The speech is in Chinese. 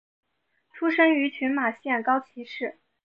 出身于群马县高崎市。